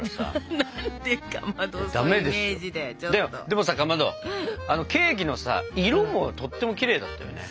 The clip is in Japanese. でもさかまどケーキのさ色もとってもきれいだったよね。